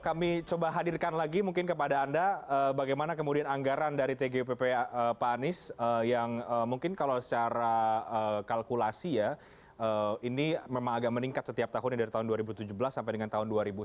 kami coba hadirkan lagi mungkin kepada anda bagaimana kemudian anggaran dari tgupp pak anies yang mungkin kalau secara kalkulasi ya ini memang agak meningkat setiap tahunnya dari tahun dua ribu tujuh belas sampai dengan tahun dua ribu sembilan belas